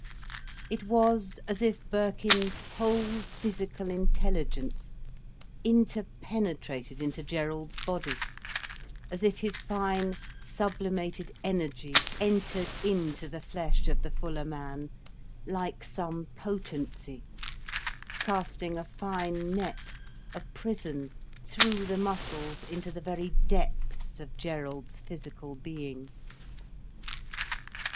It was as if Birkin's whole physical intelligence interpenetrated into Gerald's body, as if his fine, sublimated energy entered into the flesh of the fuller man, like some potency, casting a fine net, a prison, through the muscles into the very depths of Gerald's physical being.